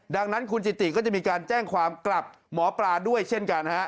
ดังนั้นคุณจิติก็จะมีการแจ้งความกลับหมอปลาด้วยเช่นกันฮะ